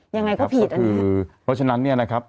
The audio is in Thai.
ยังไงก็ผิดอันนี้คือเพราะฉะนั้นเนี่ยนะครับ